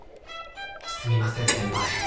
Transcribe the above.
すみません先輩。